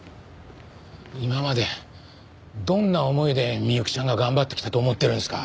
今までどんな思いで美幸ちゃんが頑張ってきたと思ってるんですか？